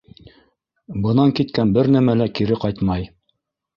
Бынан киткән бер нәмә лә кире ҡайтмай.